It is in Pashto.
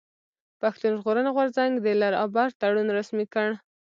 پښتون ژغورني غورځنګ د لر او بر تړون رسمي کړ.